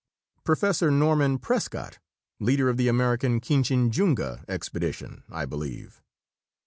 "Professor Norman Prescott, leader of the American Kinchinjunga expedition, I believe."